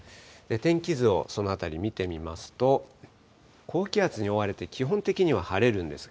天気図をそのあたり見てみますと、高気圧に覆われて、基本的には晴れるんです。